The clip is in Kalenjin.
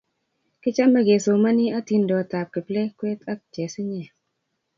Kichome kesomani atindiondetab kiplekwe ak chesinye